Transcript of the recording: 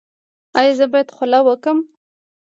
ایا زه باید خوله وکړم؟